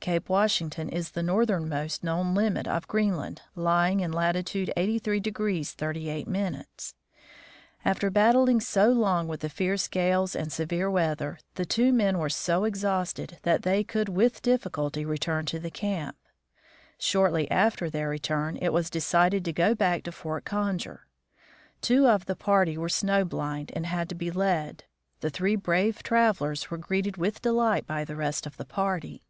Cape Washington is the northernmost known limit of Greenland, lying in lati tude 83 38'. After battling so long with the fierce gales and severe weather, the two men were so exhausted that they could with difficulty return to the camp. Shortly after their return it was decided to go back to Fort Conger. Two of the party were snow blind and had to be led. The three brave travelers were greeted with delight by the rest of the party.